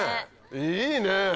いいね！